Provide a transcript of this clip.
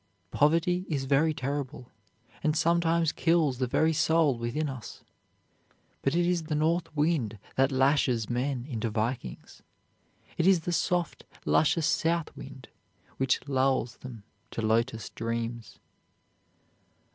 Poverty is very terrible, and sometimes kills the very soul within us, but it is the north wind that lashes men into Vikings; it is the soft, luscious south wind which lulls them to lotus dreams.